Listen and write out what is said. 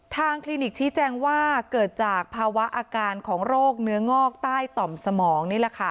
ทางคลินิกชี้แจ้งว่าเกิดจากภาวะอาการของโรคนื้องอกใต้ต่อมสมอง